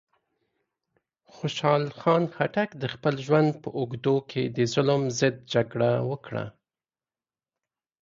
خوشحال خان خټک د خپل ژوند په اوږدو کې د ظلم ضد جګړه وکړه.